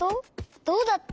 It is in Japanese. どうだった？